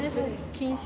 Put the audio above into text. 禁止。